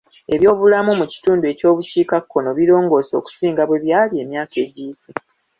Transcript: Eby'obulamu mu kitundu ky'obukiikakkono birongoose okusinga bwe byali emyaka egiyise.